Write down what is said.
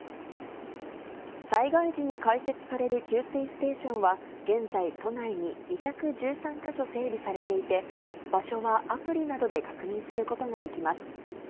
災害時に開設される給水ステーションは、現在、都内に２１３か所整備されていて、場所はアプリなどで確認することができます。